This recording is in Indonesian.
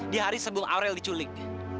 di hari sebelum aurel diculik